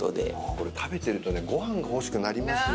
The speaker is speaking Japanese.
これ食べてるとねご飯が欲しくなりますよね。